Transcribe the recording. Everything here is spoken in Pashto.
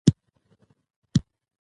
د غوړيو مړۍ ډېره خوند کوي